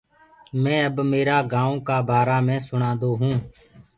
مي اب ميرآ گائونٚ ڪآ بآرآ مي سُڻادو هونٚ۔